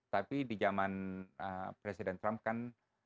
tapi di zaman presiden trump kan